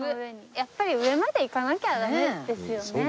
やっぱり上まで行かなきゃダメですよね。